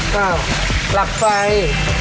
ก็หลับไฟ